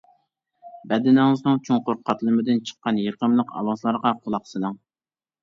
بەدىنىڭىزنىڭ چوڭقۇر قاتلىمىدىن چىققان يېقىملىق ئاۋازلارغا قۇلاق سېلىڭ.